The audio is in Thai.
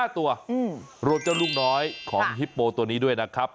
๕ตัวรวมเจ้าลูกน้อยของฮิปโปตัวนี้ด้วยนะครับ